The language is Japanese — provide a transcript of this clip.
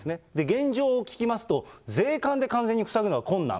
現状を聞きますと、税関で完全に塞ぐのは困難。